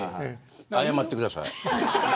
謝ってください。